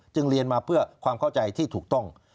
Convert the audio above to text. เรียนมาเพื่อความเข้าใจที่ถูกต้อง